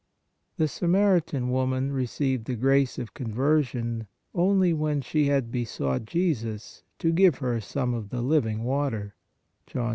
The Samaritan woman received the grace of conversion only when she had besought Jesus to give her some of " the living water " (John 4.